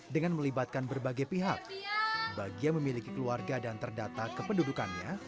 dengan melibatkan berbagai pihak bagi yang memiliki keluarga dan terdata kependudukannya